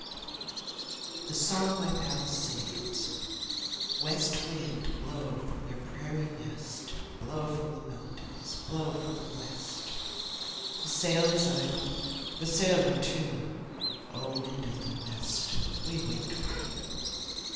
THE SONG MY PADDLE SINGS West wind, blow from your prairie nest, Blow from the mountains, blow from the west. The sail is idle, the sailor too; O! wind of the west, we wait for you.